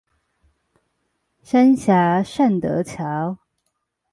三峽善德橋